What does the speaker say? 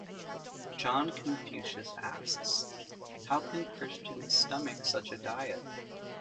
John Confucius asks, How can Christians stomach such diet?